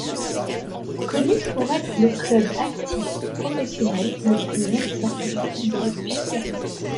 Connu pour être le club actif professionnel plus ancien du football chilien.